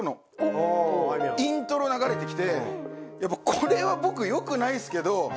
これは僕よくないっすけど。